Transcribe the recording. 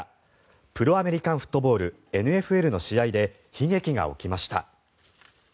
プロアメリカンフットボール・ＮＦＬの試合で悲劇が起きました。